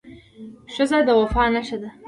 ښځه د وفا نښه ده.